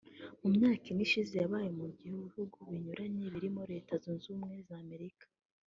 mu myaka ine ishize yabaye mu bihugu binyuranye birimo Leta Zunze Ubumwe za Amerika